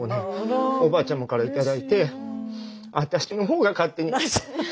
おばあちゃまから頂いて私のほうが勝手に。